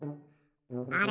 あれ？